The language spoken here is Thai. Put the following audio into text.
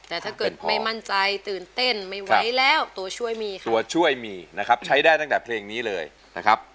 แต่ถ้าเกิดไม่มั่นใจตื่นเต้นไม่ไหวแล้วตัวช่วยมีค่ะตัวช่วยมีนะครับใช้ได้ตั้งแต่เพลงนี้เลยนะครับ